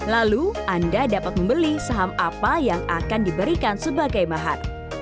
lalu anda dapat membeli saham apa yang akan diberikan sebagai mahar